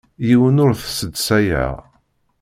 Yiwen ur t-sseḍsayeɣ.